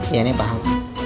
iya nek paham